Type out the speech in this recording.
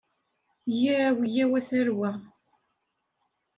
Yyaw yyaw a tarwa.